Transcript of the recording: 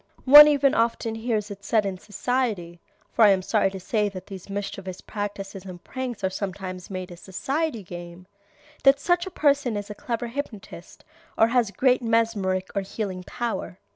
One even often hears it said in society (for I am sorry to say that these mischievous practices and pranks are sometimes made a society game) that such a person is a clever hypnotist or has great mesmeric or healing power.